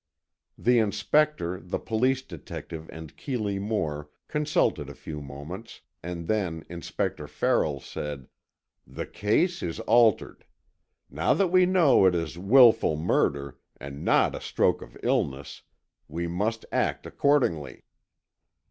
The Inspector, the police detective and Keeley Moore consulted a few moments and then Inspector Farrell said: "The case is altered. Now that we know it is wilful murder, and not a stroke of illness, we must act accordingly.